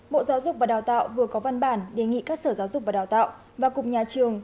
bộ giáo dục và đào tạo vừa có văn bản đề nghị các sở giáo dục và đào tạo và cục nhà trường